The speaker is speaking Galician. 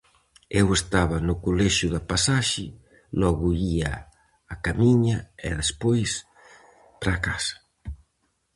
Eu estaba no colexio da Pasaxe, logo ía a Camiña e despois para casa.